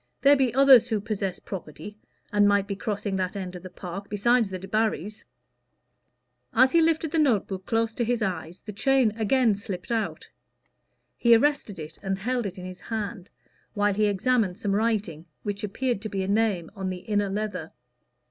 There be others who possess property, and might be crossing that end of the park, besides the Debarrys." As he lifted the note book close to his eyes, the chain again slipped out. He arrested it and held it in his hand, while he examined some writing, which appeared to be a name on the inner leather.